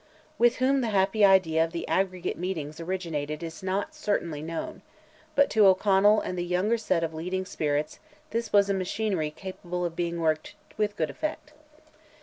With whom the happy idea of "the aggregate meetings" originated is not certainly known, but to O'Connell and the younger set of leading spirits this was a machinery capable of being worked with good effect.